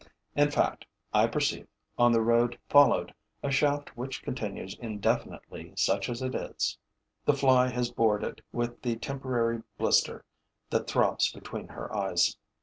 In fact, I perceive, on the road followed, a shaft which continues indefinitely such as it is. The fly has bored it with the temporary blister that throbs between her eyes.